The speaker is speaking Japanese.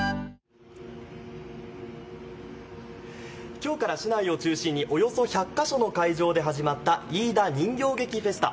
今日から市内を中心におよそ１００か所の会場で始まった、いいだ人形劇フェスタ。